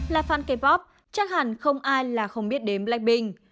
là fan kpop chắc hẳn không ai là không biết đến blackpink